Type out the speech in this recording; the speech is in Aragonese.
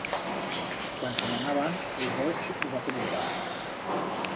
Cuan se'n anaban, el Boch hu va comentar.